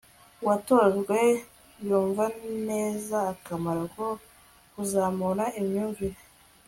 uwatojwe yumva neza akamaro ko kuzamura imyumvire